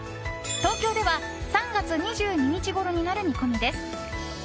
東京では３月２２日ごろになる見込みです。